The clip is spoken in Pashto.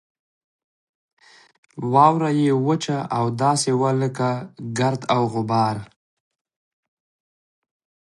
واوره یې وچه او داسې وه لکه ګرد او غبار.